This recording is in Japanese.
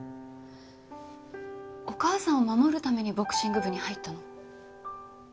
お母さんを守るためにボクシング部に入ったの？